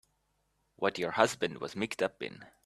What your husband was mixed up in.